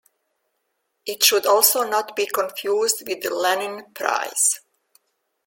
It should also not be confused with the Lenin Prize.